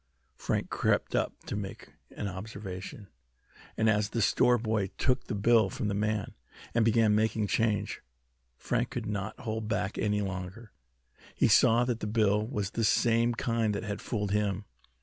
Frank crept up to make an observation, and as the store boy took the bill from the man, and began making change, Frank could not hold back any longer. He saw that the bill was the same kind that had fooled him.